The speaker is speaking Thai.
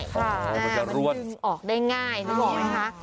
อ๋อมันจะรวดอ๋อมันจะดึงออกได้ง่ายนึกออกไหมคะ